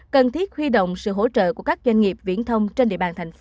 cần thiết huy động sự hỗ trợ của các doanh nghiệp viễn thông trên địa bàn thành phố